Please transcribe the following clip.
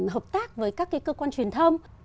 hợp tác với các cơ quan truyền thông